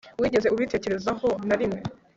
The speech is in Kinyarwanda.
wigeze ubitekerezaho narimwe